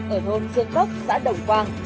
ở thôn dương cốc xã đồng quang